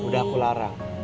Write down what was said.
sudah aku larang